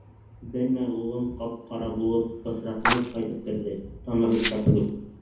Бер мәл улым ҡап-ҡара булып, бысранып ҡайтып керҙе, танырлыҡ та түгел.